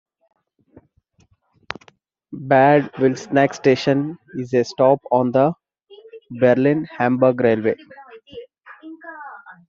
Bad Wilsnack station is a stop on the Berlin-Hamburg Railway.